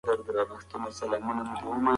فاصله مراعات کول ډیر مهم دي.